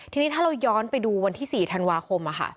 ทีนี้ถ้าเราย้อนไปดูวันที่๔ธันวาคม